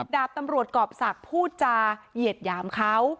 ดาบตำรวจกรอบศักดิ์พูดจาเหยียดหยามเขา